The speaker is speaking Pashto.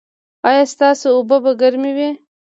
ایا ستاسو اوبه به ګرمې وي؟